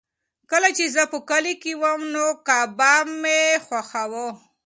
کله چې زه په کلي کې وم نو کباب مې خوښاوه.